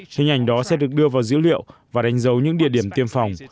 hình ảnh đó sẽ được đưa vào dữ liệu và đánh dấu những địa điểm tiêm phòng